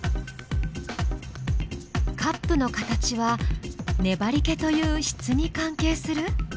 カップの形は「ねばりけ」という「質」に関係する？